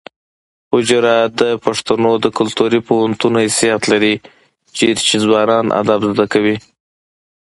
حجره د پښتنو د کلتوري پوهنتون حیثیت لري چیرته چې ځوانان ادب زده کوي.